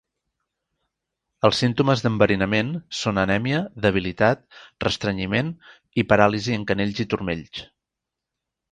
Els símptomes d'enverinament són anèmia, debilitat, restrenyiment i paràlisi en canells i turmells.